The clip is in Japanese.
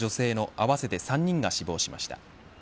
合わせて３人が死亡しました。